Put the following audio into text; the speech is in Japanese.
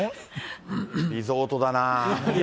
リゾートだな。